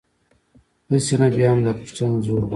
هسې، نه بیا هم، دا پوښتنه زور غواړي.